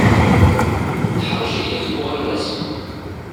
Teḥṛec yelli-k deg uɣerbaz?